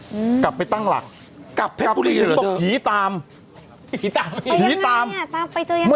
อืมกลับไปตั้งหลักกลับไปหีตามหีตามหีตามตามไปตัวอย่างงี้